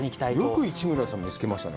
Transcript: よく市村さん見つけましたね。